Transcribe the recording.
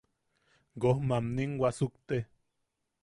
Goj mamnin wasukte.